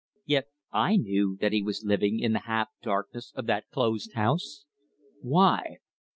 Yet I knew that he was living in the half darkness of that closed house. Why?